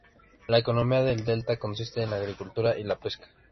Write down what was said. La economía del delta consiste en la agricultura y la pesca.